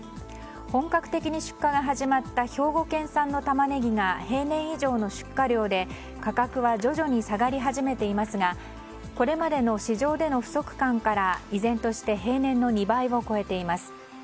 本格的に出荷が始まった兵庫県産のタマネギが平年以上の出荷量で価格は徐々に下がり始めていますがこれまでの市場での不足感から依然として平年の２倍を超えています。